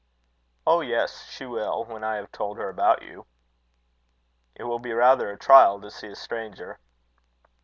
"Oh! yes, she will, when I have told her about you." "It will be rather a trial to see a stranger."